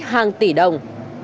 hàng tỷ đồng